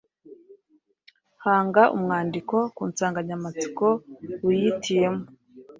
Hanga umwandiko ku nsanganyamatsiko wihitiyemo,